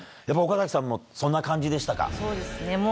でも岡崎さんも、そんな感じでしそうですね。